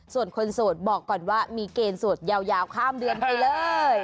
ส่วนคนโสดบอกก่อนว่ามีเกณฑ์โสดยาวข้ามเดือนไปเลย